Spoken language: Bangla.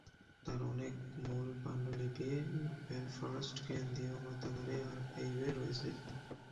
তার অনেক মূল পাণ্ডুলিপি বেলফাস্ট কেন্দ্রীয় গ্রন্থাগারের আর্কাইভে রয়েছে।